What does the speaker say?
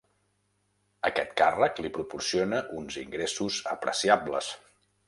Aquest càrrec li proporciona uns ingressos apreciables.